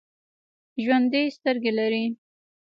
ژوندي سترګې لري